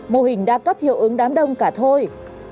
mô hình đa cấp hiệu ứng đám đông cả thôi